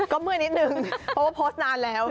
ก็เมื่อยนิดนึงเพราะว่าโพสต์นานแล้ว